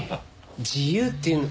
自由っていうのは。